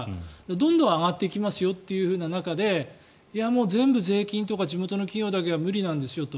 どんどん上がっていきますよという中で全部税金とか地元の企業だけじゃ無理なんですよと。